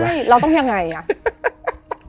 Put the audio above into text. ใช่เราต้องยังไงอ่ะ